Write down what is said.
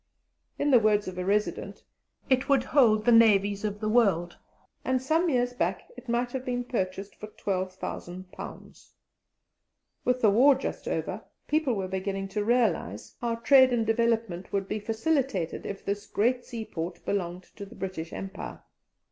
In the words of a resident, "It would hold the navies of the world," and some years back it might have been purchased for £12,000. With the war just over, people were beginning to realize how trade and development would be facilitated if this great seaport belonged to the British Empire.